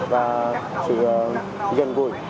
và sự gần gũi